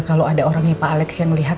kalau ada orangnya pak alex yang melihat